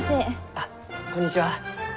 あこんにちは。